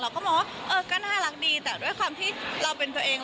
ก็บอกว่าเออก็น่ารักดีแต่ด้วยความที่เราเป็นตัวเอง